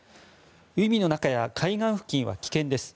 海の中や海岸付近は危険です。